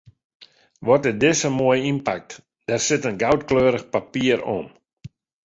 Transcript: Wat is dizze moai ynpakt, der sit in goudkleurich papier om.